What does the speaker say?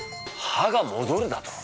歯がもどるだと？